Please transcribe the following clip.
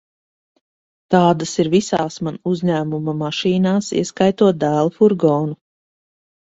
Tādas ir visās mana uzņēmuma mašīnās, ieskaitot dēla furgonu.